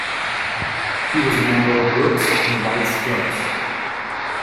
He was a member of Brooks's and White's clubs.